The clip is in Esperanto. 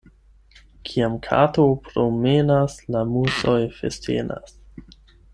Kiam kato promenas, la musoj festenas.